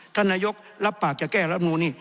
ท่านนายกรับปากจะแก้รับนูนนี่